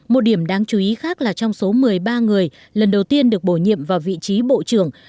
một điểm đáng chú ý khác là trong số một mươi ba người lần đầu tiên được bổ nhiệm vào vị trí bộ trưởng